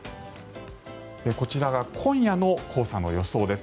こちらが今夜の黄砂の予想です。